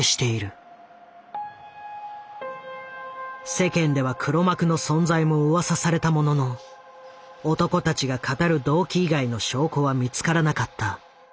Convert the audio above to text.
世間では黒幕の存在もうわさされたものの男たちが語る動機以外の証拠は見つからなかった。